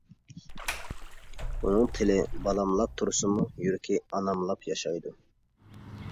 ئۇنىڭ تىلى «بالام» لاپ تۇرسىمۇ، يۈرىكى «ئانام» لاپ ياشايدۇ.